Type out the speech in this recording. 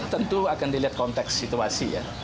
tentu akan dilihat konteks situasi ya